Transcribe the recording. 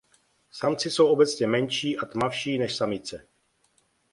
Samci jsou obecně menší a tmavší než samice.